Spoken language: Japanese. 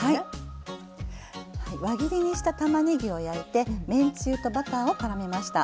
輪切りにしたたまねぎを焼いてめんつゆとバターをからめました。